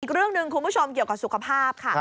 อีกเรื่องหนึ่งคุณผู้ชมเกี่ยวกับสุขภาพค่ะ